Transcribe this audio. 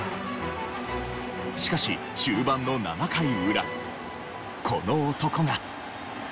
しかし終盤の７回裏この男が。